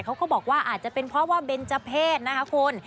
เขาก็บอกว่าอาจจะเป็นเพราะว่าเบนเจอร์เพศนะคะคุณ